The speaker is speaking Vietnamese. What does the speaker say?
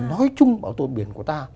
nói chung bảo tồn biển của ta